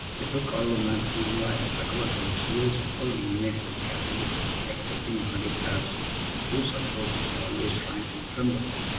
Little Carloman, meanwhile, recovered from his fears of all the inmates of the Castle excepting Hardigras, at whose approach he always shrank and trembled.